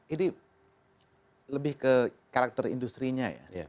ini lebih ke karakter industri nya ya